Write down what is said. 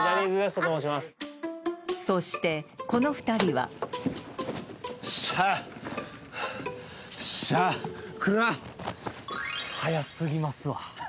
そしてこの２人は早すぎますわ